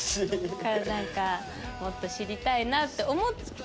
だからなんかもっと知りたいなって思ってて。